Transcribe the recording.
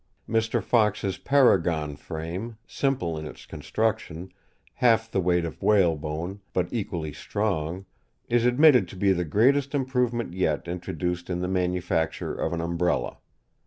Mr. Fox's Paragon frame, simple in its construction, half the weight of whalebone, but equally strong, is admitted to be the greatest improvement yet introduced in the manufacture of an Umbrella.